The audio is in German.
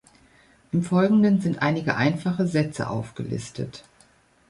Im Folgenden sind einige einfache Sätze aufgelistet.